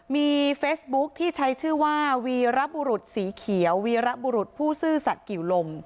มีเฟซบุ๊คที่ใช้ชื่อว่าวีรบุรุษสีเขียววีระบุรุษผู้ซื่อสัตว์กิ๋วลม